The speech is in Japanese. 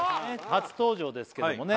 初登場ですけどもね